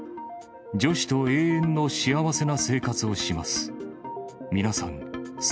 ジョシと永遠の幸せな生活をします。